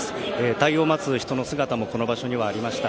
対応を待つ人の姿もこの場所にはありました。